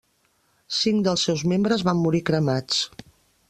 Cinc dels seus membres van morir cremats.